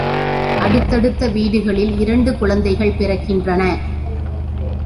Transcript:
அடுத்தடுத்த வீடுகளில் இரண்டு குழந்தைகள் பிறக்கின்றன.